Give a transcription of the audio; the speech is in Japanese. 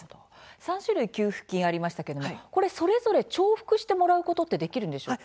３種類給付金ありましたけれどもそれぞれ重複してもらうことってできるんでしょうか。